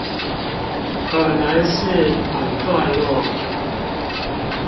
可能是本段落